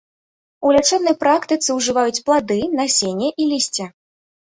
У лячэбнай практыцы ўжываюць плады, насенне і лісце.